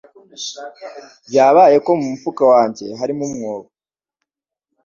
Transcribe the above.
Byabaye ko mu mufuka wanjye hari umwobo.